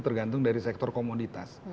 tergantung dari sektor komoditas